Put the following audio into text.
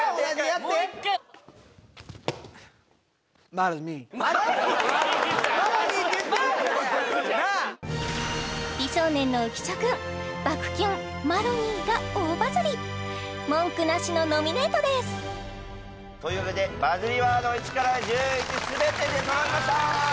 Ｍａｒｒｙｍｅ美少年の浮所くん爆キュン「マロニー」が大バズり文句なしのノミネートですというわけでバズりワード１から１１すべて出そろいました！